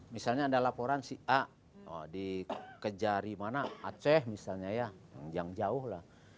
misalnya ada laporan si a di kejari mana a c misalnya ya yang jauh lah